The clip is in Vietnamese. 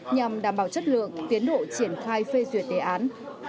nhằm đảm bảo chất lượng tiến độ triển khai phê duyệt đề án